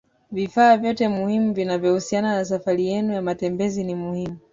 Vifaa vyote muhimu vinavyohusiana na safari yenu ya matembezi ni muhimu